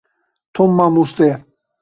Tom mamoste ye.